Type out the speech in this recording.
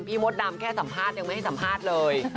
มดดำแค่สัมภาษณ์ยังไม่ให้สัมภาษณ์เลย